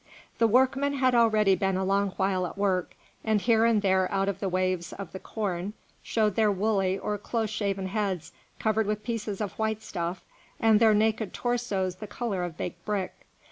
The workmen had already been a long while at work, and here and there out of the waves of the corn showed their woolly or close shaven heads covered with pieces of white stuff, and their naked torsos the colour of baked brick.